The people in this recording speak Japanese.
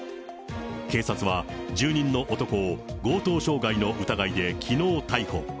警察は、住人の男を強盗傷害の疑いできのう逮捕。